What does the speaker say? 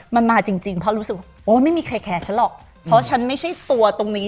มันมาจริงจริงเพราะรู้สึกว่าโอ้ยไม่มีใครแคร์ฉันหรอกเพราะฉันไม่ใช่ตัวตรงนี้